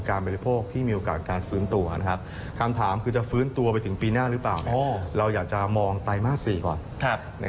ไม่ได้น่าจะเป็นหุ้นกลุ่มที่น่าจะปรับตัวได้ดี